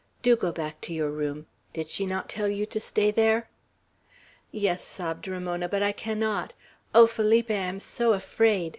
Do go back to your room! Did she not tell you to stay there?" "Yes," sobbed Ramona, "but I cannot. Oh, Felipe, I am so afraid!